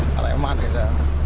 iya reman itu